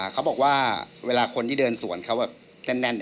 เค้าบอกว่าเวลาคนที่เดินส่วนแน่น